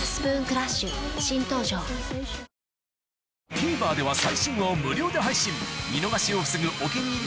ＴＶｅｒでは最新話を無料で配信見逃しを防ぐ「お気に入り」